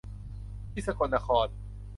ที่สกลนคร